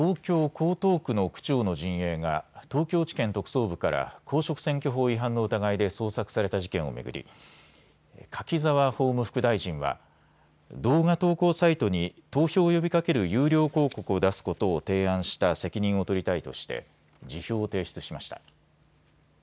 江東区の区長の陣営が東京地検特捜部から公職選挙法違反の疑いで捜索された事件を巡り、柿沢法務副大臣は動画投稿サイトに投票を呼びかける有料広告を出すことを提案した責任を取りたいとして辞表を提出しました。